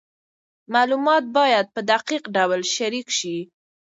معلومات باید په دقیق ډول شریک سي.